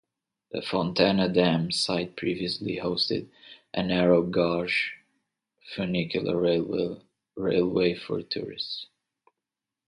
The Fontana Dam site previously hosted a narrow gauge funicular railway for tourists.